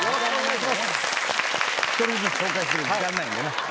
１人ずつ紹介する時間ないんでね。